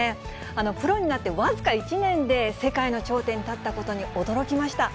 プロになって僅か１年で世界の頂点に立ったことに驚きました。